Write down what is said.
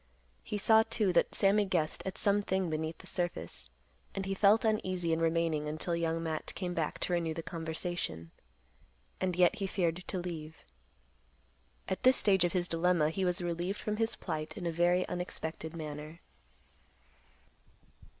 He saw, too, that Sammy guessed at some thing beneath the surface, and he felt uneasy in remaining until Young Matt came back to renew the conversation. And yet he feared to leave. At this stage of his dilemma, he was relieved from his plight in a very unexpected manner.